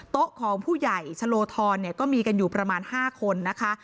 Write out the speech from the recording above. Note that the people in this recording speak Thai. ของผู้ใหญ่ชะโลธรก็มีกันอยู่ประมาณ๕คนนะคะ